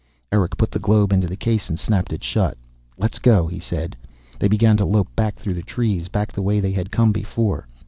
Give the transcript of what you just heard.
Erick put the globe into the case and snapped it shut. "Let's go," he said. They began to lope back through the trees, back the way they had come before.